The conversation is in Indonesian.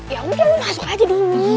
ya udah masuk aja dulu